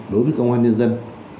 đối với công an nhân dân